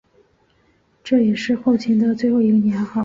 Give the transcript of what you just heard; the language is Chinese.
这也是后秦的最后一个年号。